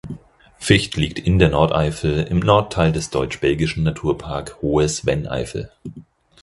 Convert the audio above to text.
Vicht liegt in der Nordeifel im Nordteil des deutsch-belgischen Naturpark Hohes Venn-Eifel.